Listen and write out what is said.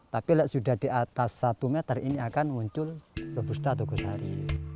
tapi kalau sudah di atas satu meter ini akan muncul robusta togosari